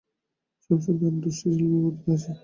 সবসুদ্ধ আট-দশটি ছেলেমেয়ে পড়িতে আসে।